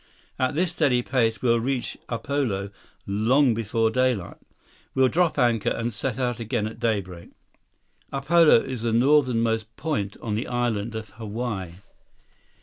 At this steady pace, we'll reach Upolu long before daylight. We'll drop anchor, then set out again at daybreak." Upolu is the northernmost point on the Island of Hawaii.